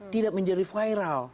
tidak menjadi viral